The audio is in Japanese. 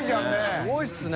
すごいですね！